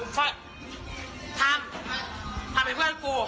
ฟาดทำทำให้เพื่อนกู